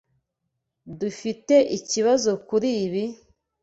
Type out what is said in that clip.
Dufiteikibazo kuri ibi?